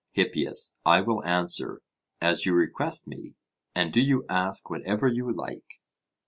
HIPPIAS: I will answer, as you request me; and do you ask whatever you like.